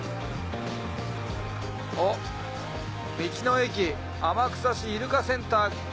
おっ「道の駅天草市イルカセンター」。